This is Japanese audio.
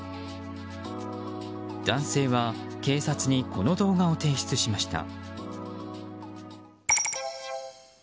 男性は警察にこの動画を提出しました。